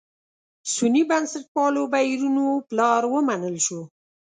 سني بنسټپالو بهیرونو پلار ومنل شو.